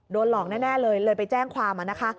หลอกแน่เลยเลยไปแจ้งความนะคะ